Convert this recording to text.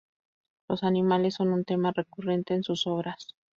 Los animales son un tema recurrente en sus obras.